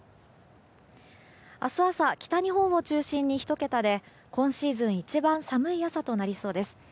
明日朝、北日本を中心に１桁で今シーズン一番寒い朝となりそうです。